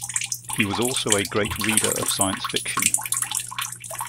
He was also a great reader of science fiction.